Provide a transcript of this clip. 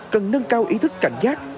cần nâng cao ý thức cảnh giác